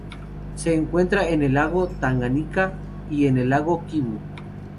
Se encuentra en el lago Tanganika y en el lago Kivu.